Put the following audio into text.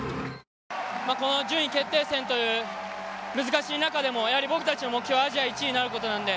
この順位決定戦という難しい中でもやはり、僕たちの目標はアジア１位になることなので。